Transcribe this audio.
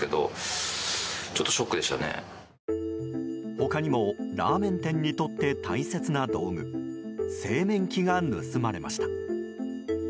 他にもラーメン店にとって大切な道具製麺機が盗まれました。